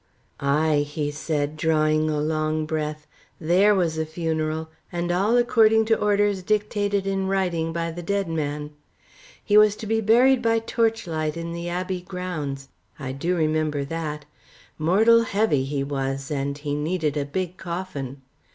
"Ay," said he, drawing a long breath, "there was a funeral, and all according to orders dictated in writing by the dead man. He was to be buried by torchlight in the Abbey Grounds. I do remember that! Mortal heavy he was, and he needed a big coffin."